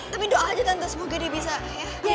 tapi doa aja tante semoga dia bisa ya